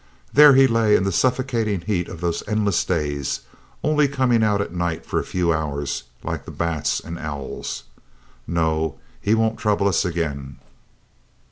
There he lay in the suffocating heat of those endless days, only coming out at night for a few hours like the bats and owls. No, he won't trouble us again!"